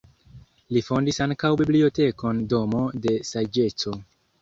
Li fondis ankaŭ bibliotekon Domo de saĝeco.